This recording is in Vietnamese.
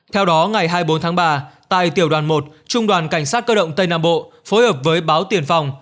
theo đó ngày hai mươi bốn tháng ba tại tiểu đoàn một trung đoàn cảnh sát cơ động tây nam bộ phối hợp với báo tiền phòng